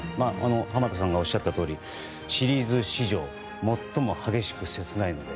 濱田さんがおっしゃったとおりシリーズ史上最も激しく切ないもの